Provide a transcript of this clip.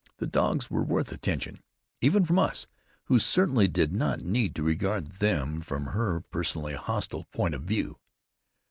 The dogs were worth attention, even from us, who certainly did not need to regard them from her personally hostile point of view.